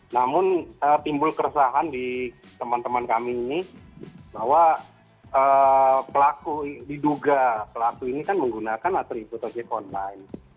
namun timbul keresahan di teman teman kami ini bahwa pelaku diduga pelaku ini kan menggunakan atribut ojek online